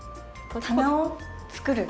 棚を作る？